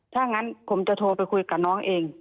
ถ้างั้นผมจะโทรไปคุยกับน้องเอง